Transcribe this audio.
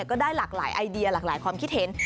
ก็ได้หลากหลายไอเดียหลากหลายความคิดเห็น